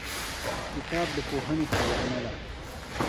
کتاب د پوهې خزانه ده.